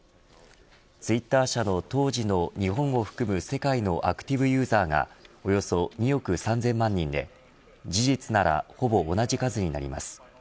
ツイッター社の当時の日本を含む世界のアクティブユーザーがおよそ２億３０００万人で事実ならほぼ同じ数になります。